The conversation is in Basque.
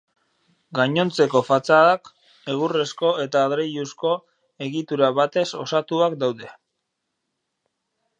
Gainontzeko fatxadak egurrezko eta adreiluzko egitura batez osatuak daude.